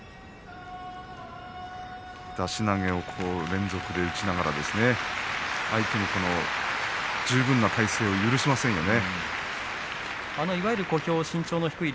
出し投げを連続で打ちながら相手に十分な体勢を許しませんでしたね。